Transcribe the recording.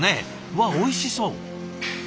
わあおいしそう。